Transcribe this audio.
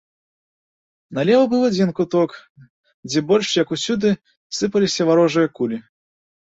Налева быў адзін куток, дзе больш, як усюды, сыпаліся варожыя кулі.